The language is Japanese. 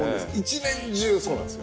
一年中そうなんです。